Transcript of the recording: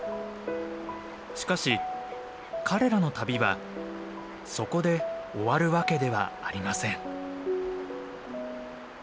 しかし彼らの旅はそこで終わるわけではありません。